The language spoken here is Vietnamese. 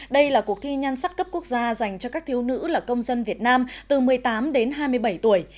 đây là cuộc thi nhan sắc cấp quốc gia dành cho các thiếu nữ là công dân việt nam từ một mươi tám đến hai mươi bảy tuổi